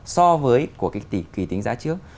so với của cái kỳ tính giá trước